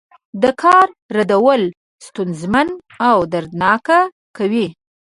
دا کار رودل ستونزمن او دردناک کوي.